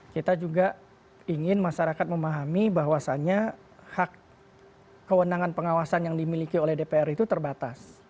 kita juga ingin masyarakat memahami bahwasannya hak kewenangan pengawasan yang dimiliki oleh dpr itu terbatas